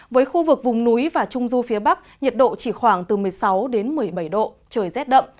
với khu vực vùng núi và trung du phía bắc nhiệt độ chỉ khoảng từ một mươi sáu đến một mươi bảy độ trời rét đậm